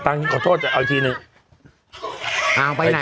ทุกคนต้องตอบช่วยหนูเรื่องฉันมันใหญ่มาก